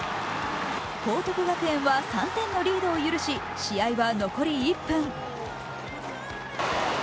報徳学園は３点のリードを許し、試合は残り１分。